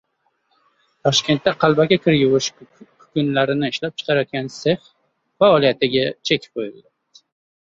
Toshkentda qalbaki kir yuvish kukunlarini ishlab chiqarayotgan sex faoliyatiga chek qo‘yildi